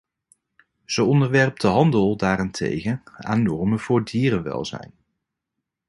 Ze onderwerpt de handel daarentegen aan normen voor dierenwelzijn.